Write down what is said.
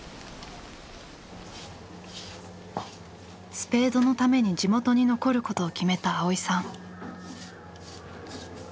スペードのために地元に残ることを決めた蒼依さん。